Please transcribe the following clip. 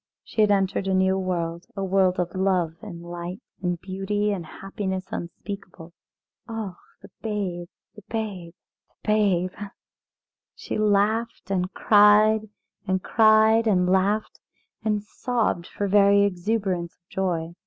She had entered into a new world, a world of love and light and beauty and happiness unspeakable. Oh! the babe the babe the babe! She laughed and cried, and cried and laughed and sobbed for very exuberance of joy.